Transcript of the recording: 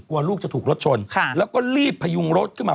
กลัวลูกจะถูกรถชนแล้วก็รีบพยุงรถขึ้นมา